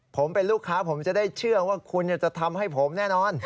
ผมเป็นลูกค้าผมจะได้เชื่อว่าคุณจะทำให้ผมแน่นอน